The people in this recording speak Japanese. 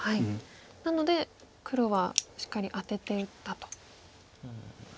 なので黒はしっかりアテて打ったと。